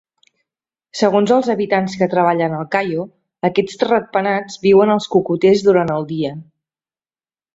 Segons els habitants que treballen al Cayo, aquests ratpenats viuen als cocoters durant el dia.